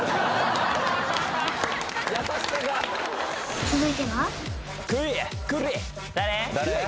・優しさが続いては誰？